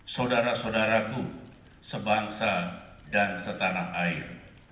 saudara saudaraku sebangsa dan setanah air